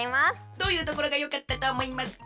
どういうところがよかったとおもいますか？